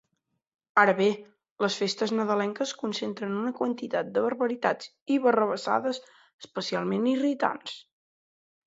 Ara bé, les festes nadalenques concentren una quantitat de barbaritats i barrabassades especialment irritants.